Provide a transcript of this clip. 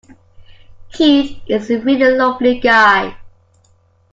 Keith is a really lovely guy.